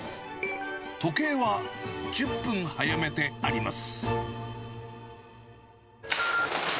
時計は１０分早めてあります。